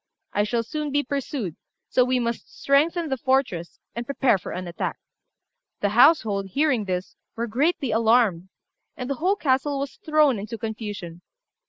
I shall soon be pursued; so we must strengthen the fortress, and prepare for an attack." The household, hearing this, were greatly alarmed, and the whole castle was thrown into confusion.